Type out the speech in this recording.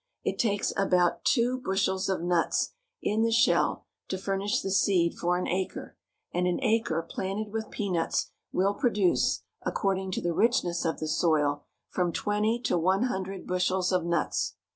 It takes about two bushels of nuts in the shell to furnish the seed for an acre, and an acre planted with peanuts will produce, according to the richness of the soil, from twenty to one hundred bushels of nuts.